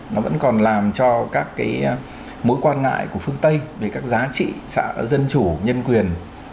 nó vẫn còn làm cho các cái mối quan ngại của phương tây về các giá trị dân chủ nhân quyền